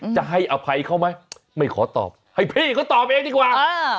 จะให้อภัยเขาไหมไม่ขอตอบให้พี่เขาตอบเองดีกว่า